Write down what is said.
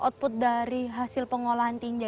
output dari hasil pengolahan tinja